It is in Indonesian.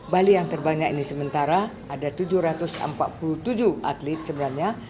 bali yang terbanyak ini sementara ada tujuh ratus empat puluh tujuh atlet sebenarnya